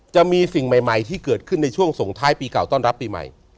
จะมีสิ่งใหม่ที่เกิดขึ้นในช่วงส่งท้ายปีเก่าต้อนรับปีใหม่